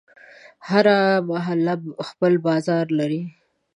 هره محله خپل بازار لري.